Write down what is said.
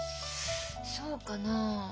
そうかなあ。